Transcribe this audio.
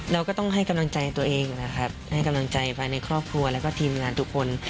เราก็ต้องให้กำลังใจตัวเองนะครับให้กำลังใจภายในครอบครัวแล้วก็ทีมงานทุกคน